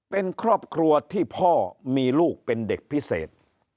เป็นครอบครัวที่พ่อมีลูกเป็นเด็กพิเศษ